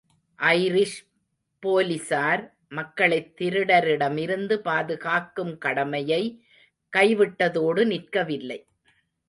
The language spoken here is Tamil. ஐரிஷ் போலிஸார் மக்களைத் திருடரிடமிருந்து பாதுகாக்கும் கடமையை கைவிட்டதோடு நிற்கவில்லை.